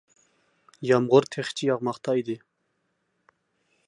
يامغۇر تېخىچە ياغماقتا ئىدى.